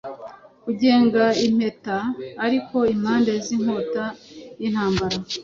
Kugenga impetaariko impande zinkota yintambara